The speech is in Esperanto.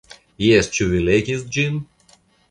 Jes, ĉu vi legis ĝin?